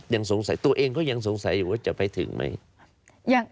ยังสงสัยตัวเองก็ยังสงสัยอยู่ว่าจะไปถึงไหม